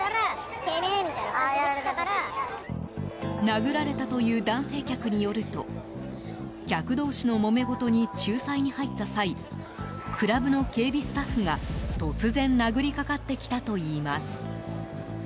殴られたという男性客によると客同士のもめごとに仲裁に入った際クラブの警備スタッフが、突然殴りかかってきたといいます。